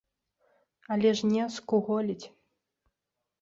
Але ж не, скуголіць.